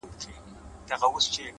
چي هغه تللې ده نو ته ولي خپه يې روحه _